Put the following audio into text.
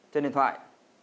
trên điện thoại